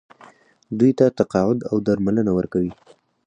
دوی ته تقاعد او درملنه ورکوي.